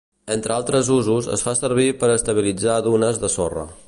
Entre altres usos, es fa servir per a estabilitzar dunes de sorra.